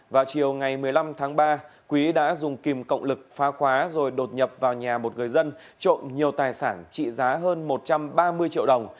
vào chiều ngày một mươi năm tháng ba quý đã dùng kìm cộng lực phá khóa rồi đột nhập vào nhà một người dân trộm nhiều tài sản trị giá hơn một trăm ba mươi triệu đồng